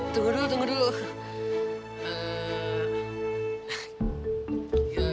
tunggu dulu tunggu dulu